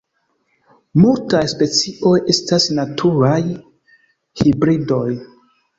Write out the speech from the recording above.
Multaj specioj estas naturaj hibridoj.